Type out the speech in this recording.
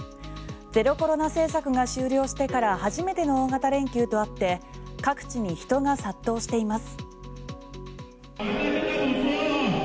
ゼロコロナ政策が終了してから初めての大型連休とあって各地に人が殺到しています。